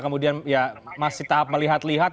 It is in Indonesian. masih tahap melihat lihat